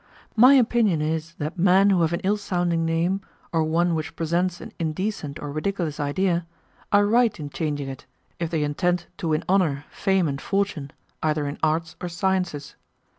My opinion is that men who have an ill sounding name, or one which presents an indecent or ridiculous idea, are right in changing it if they intend to win honour, fame, and fortune either in arts or sciences.